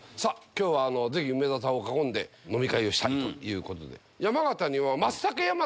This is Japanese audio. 「今日は梅沢さんを囲んで飲み会をしたい」ということで。